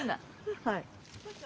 はい。